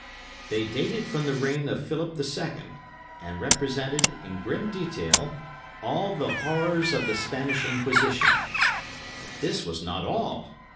They dated from the reign of Philip II., and represented, in grim detail, all the horrors of the Spanish Inquisition. But this was not all.